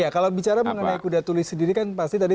kalau bicara mengenai kudatuli sendiri kan pasti tadi